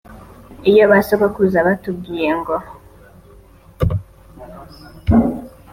iyo basogokuruza batubwiye ngo